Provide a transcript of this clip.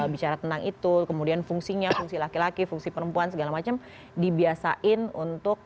bicara tentang itu kemudian fungsinya fungsi laki laki fungsi perempuan segala macam dibiasain untuk